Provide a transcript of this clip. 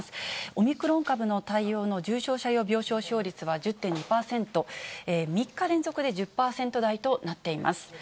オミクロン株の対応の重症者用の病床使用率は１０．２％、３日連続で１０％台となっています。